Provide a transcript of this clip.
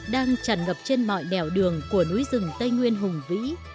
đang tràn ngập trên mọi nẻo đường của núi rừng tây nguyên hùng vĩ